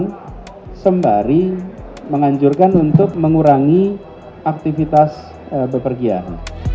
dan sembari menganjurkan untuk mengurangi aktivitas bepergian